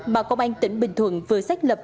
mà công an tỉnh bình thuận vừa xác lập